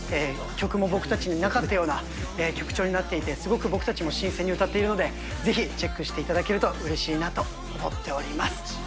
曲も僕たちになかったような曲調になっていて、すごく僕たちも新鮮に歌っているのでぜひチェックしていただけるとうれしいなと思っております。